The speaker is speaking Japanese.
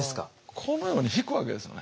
このようにひくわけですよね。